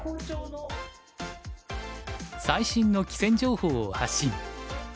最新の棋戦情報を発信。